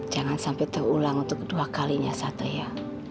jangan sampai terulang untuk kedua kalinya sat ya